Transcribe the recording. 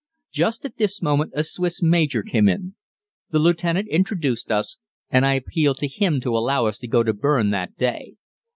Just at this moment a Swiss major came in. The lieutenant introduced us, and I appealed to him to allow us to go to Berne that day.